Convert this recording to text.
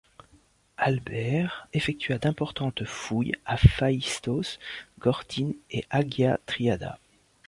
Halbherr effectua d'importantes fouilles à Phaistos, Gortyne et Aghia Triada.